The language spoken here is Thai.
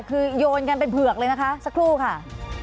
คือโยนกันเป็นเผือกเลยนะคะสักครู่ค่ะ